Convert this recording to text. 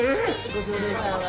ご常連さんは。